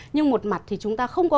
nhưng một mặt thì chúng ta không có